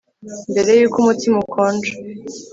mbere yuko umutsima ukonja